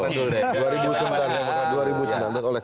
kita kembali ke timbukannya dulu deh